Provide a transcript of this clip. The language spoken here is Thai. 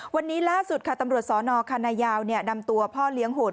วันนี้ล่าสุดค่ะตำรวจสนคณะยาวนำตัวพ่อเลี้ยงโหด